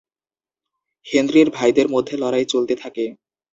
হেনরির ভাইদের মধ্যে লড়াই চলতে থাকে।